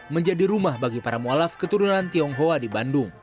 menjadi rumah bagi para mu'alaf keturunan tionghoa di bandung